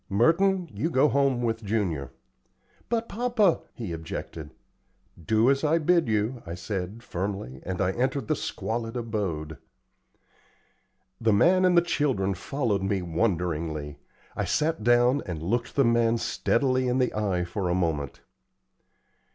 Merton, you go home with Junior." "But, papa " he objected. "Do as I bid you," I said, firmly, and I entered the squalid abode. The man and the children followed me wonderingly. I sat down and looked the man steadily in the eye for a moment.